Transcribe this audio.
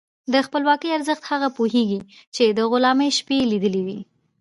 د خپلواکۍ ارزښت هغه پوهېږي چې د غلامۍ شپې یې لیدلي وي.